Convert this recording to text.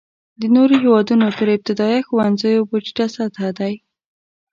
د نورو هېوادونو تر ابتدایه ښوونځیو په ټیټه سطحه دی.